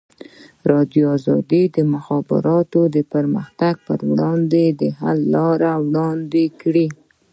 ازادي راډیو د د مخابراتو پرمختګ پر وړاندې د حل لارې وړاندې کړي.